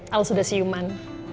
al sudah siuman